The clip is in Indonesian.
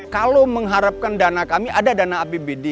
kalau mengharapkan dana kami ada dana apbd